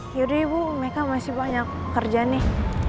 yaudah ibu mereka masih banyak kerja nih